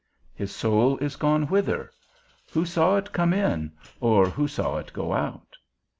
His soul is gone, whither? Who saw it come in, or who saw it go out?